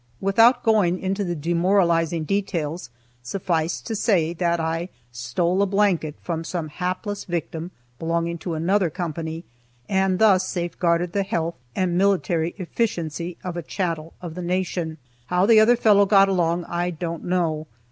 Without going into the demoralizing details, suffice it to say that I stole a blanket from some hapless victim belonging to another company, and thus safeguarded the health and military efficiency of a chattel of the Nation. How the other fellow got along, I don't know.